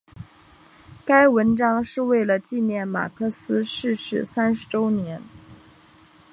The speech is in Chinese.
该文章是为了纪念马克思逝世三十周年。